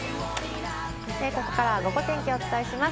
ここからはゴゴ天気をお伝えします。